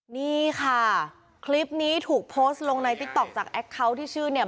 นี่ค่ะคลิปนี้ถูกโพสต์ลงในติ๊กต๊อกจากแอคเคาน์ที่ชื่อเนี่ย